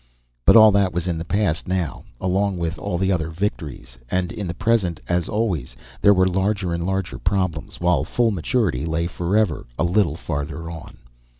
But all that was in the past now, along with all the other victories. And in the present, as always, there were larger and larger problems, while full maturity lay forever a little farther on.